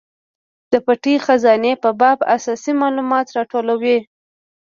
د پټې خزانې په باب اساسي مالومات راټولوي.